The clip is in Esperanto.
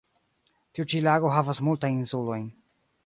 Tiu ĉi lago havas multajn insulojn.